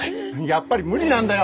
やっぱり無理なんだよ